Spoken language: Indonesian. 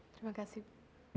terima kasih bu